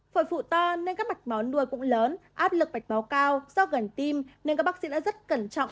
phổi phụ to nên các mạch máu nuôi cũng lớn áp lực mạch máu cao do gần tim nên các bác sĩ đã rất cẩn trọng